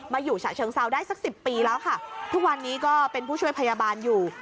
อยู่ฉะเชิงเซาได้สักสิบปีแล้วค่ะทุกวันนี้ก็เป็นผู้ช่วยพยาบาลอยู่